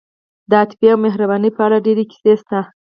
د عاطفې او مهربانۍ په اړه ډېرې کیسې شته.